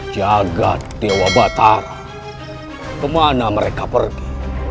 jaga dewa batar kemana mereka pergi